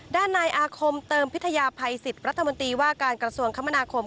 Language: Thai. ด้านนายอาคมเติมพิทยาภัยสิทธิ์รัฐมนตรีว่าการกระทรวงคมนาคม